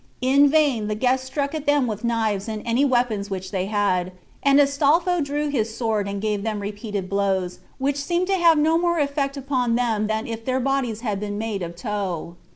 In vain the guests struck at them with knives and any weapons which they had, and Astolpho drew his sword and gave them repeated blows, which seemed to have no more effect upon them than if their bodies had been made of tow.